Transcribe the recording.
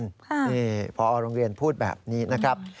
นี่พอโรงเรียนพูดแบบนี้นะครับ